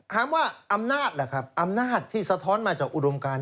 อำนาจล่ะครับอำนาจที่สะท้อนมาจากอุดมการ